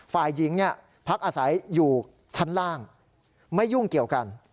ฝ่ายหญิงพักอาศัยอยู่ชั้นล่างไม่ยุ่งเกี่ยวกัน